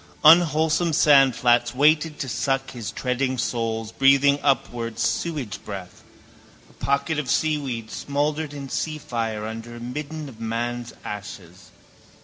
Unwholesome sandflats waited to suck his treading soles, breathing upward sewage breath, a pocket of seaweed smouldered in seafire under a midden of man's ashes.